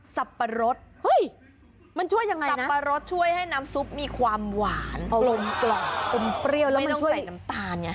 สับปะรสเฮ้ยมันช่วยยังไงนะสับปะรสช่วยให้น้ำซุปมีความหวานกลมกล่อนกลมเปรี้ยวแล้วไม่ต้องใส่น้ำตาลเนี่ย